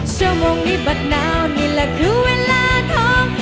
ชั่วโมงนิบัดหนาวนี่แหละคือเวลาท้อง